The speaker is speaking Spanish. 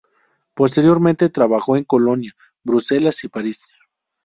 Posteriormente trabajó en Colonia, Bruselas y París.